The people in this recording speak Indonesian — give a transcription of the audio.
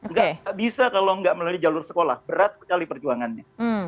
nggak bisa kalau nggak melalui jalur sekolah berat sekali perjuangannya